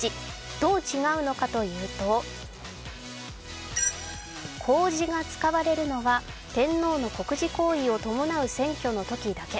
どう違うのかというと、公示が使われるのは天皇の国事行為を伴う選挙のときだけ。